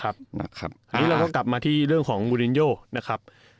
อันนี้เราก็กลับมาที่เรื่องของมูลินโยนะครับ